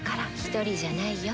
１人じゃないよ。